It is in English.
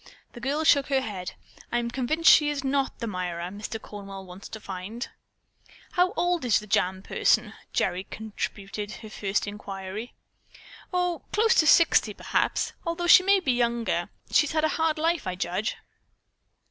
The girl shook her head. "I'm convinced she is not the Myra Mr. Cornwall wants to find." "How old is the jam person?" Gerry contributed her first inquiry. "Oh, close to sixty, perhaps, although she may be younger. She's had a hard life, I judge."